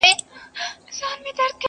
سرې لا څه ته وا د وینو فوارې سوې؛